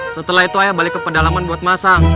setelah itu ayah balik ke pedalaman buat masang